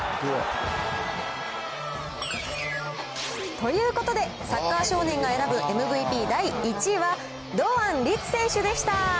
ということで、サッカー少年が選ぶＭＶＰ第１位は堂安律選手でした。